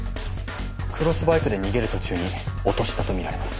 クロスバイクで逃げる途中に落としたとみられます。